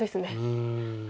うん。